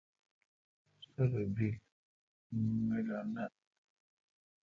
سولو بیل مہ لو نہ۔